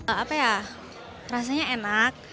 apa ya rasanya enak